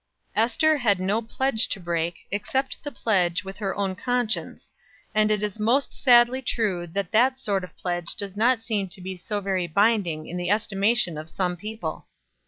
Ester had no pledge to break, except the pledge with her own conscience; and it is most sadly true that that sort of pledge does not seem to be so very binding in the estimation of some people.